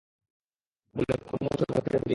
বলে কুমু উঠে ঘর থেকে বেরিয়ে গেল।